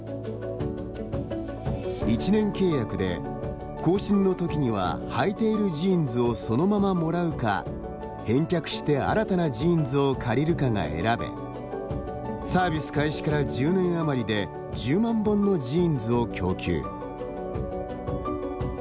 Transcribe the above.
１年契約で、更新の時には履いているジーンズをそのままもらうか返却して新たなジーンズを借りるかが選べサービス開始から１０年あまりで１０万本のジーンズを供給。